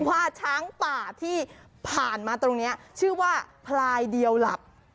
ว่าช้างป่าที่ผ่านมาตรงนี้ชื่อว่าพลายเดียวหลับ